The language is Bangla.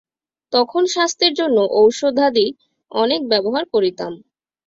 তখন স্বাস্থ্যের জন্য ঔষধাদি অনেক ব্যবহার করিতাম।